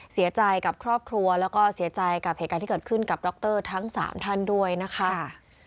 เสียใจกับครอบครัวแล้วก็เสียใจกับเหตุการณ์ที่เกิดขึ้นกับดรทั้ง๓ท่านด้วยนะคะ